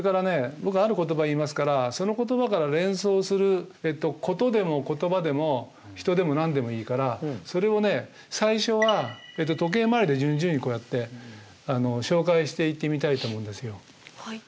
僕ある言葉言いますからその言葉から連想する事でも言葉でも人でも何でもいいからそれをね最初は時計回りで順々にこうやって紹介していってみたいと思うんですよ。